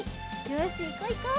よしいこういこう。